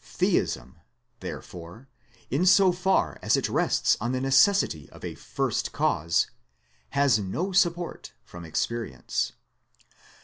Theism, therefore, in so far as it rests on the necessity of a First Cause, has no support from experience.